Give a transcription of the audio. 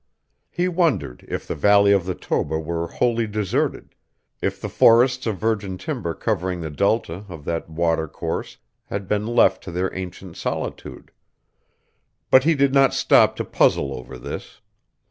He wondered if the valley of the Toba were wholly deserted, if the forests of virgin timber covering the delta of that watercourse had been left to their ancient solitude. But he did not stop to puzzle over this.